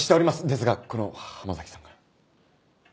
ですがこの浜崎さんが。